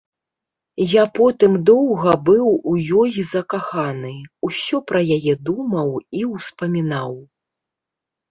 Я потым доўга быў у ёй закаханы, усё пра яе думаў і ўспамінаў.